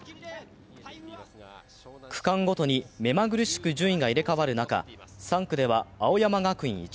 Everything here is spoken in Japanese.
区間ごとに目まぐるしく順位が入れ替わる中、３区では青山学院